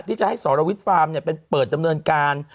ที่จะให้สรวิทย์ฟาร์มเปิดดำเนินการ